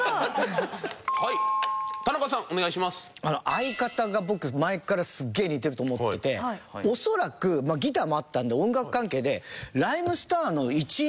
相方が僕前からすっげえ似てると思ってて恐らくまあギターもあったんで音楽関係で。